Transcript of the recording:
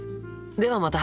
ではまた。